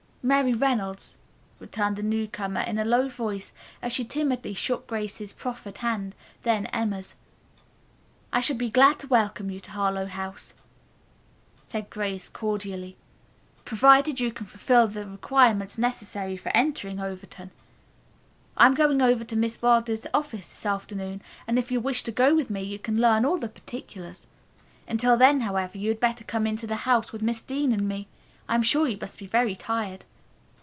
"Mary Reynolds," returned the newcomer in a low voice, as she timidly shook Grace's proffered hand, then Emma's. "I shall be glad to welcome you to Harlowe House," said Grace cordially, "provided you can fulfill the requirements necessary for entering Overton. I am going over to Miss Wilder's office this afternoon, and if you wish to go with me you can learn all the particulars. Until then, however, you had better come into the house with Miss Dean and me. I am sure you must be very tired."